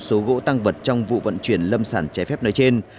số gỗ tăng vật trong vụ vận chuyển lâm sản trái phép nói trên